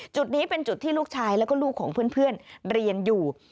จุดนี้เป็นจุดที่ลูกชายแล้วก็ลูกของเพื่อนเรียนอยู่